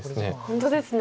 本当ですね。